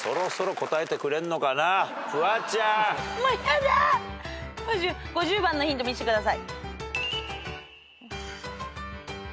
２えー３番のヒント見してください。